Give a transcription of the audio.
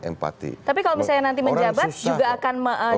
empati tapi kalau misalnya nanti menjabat